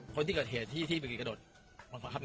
คนที่กดเหตุที่ไม่มีกระดดของครับครับ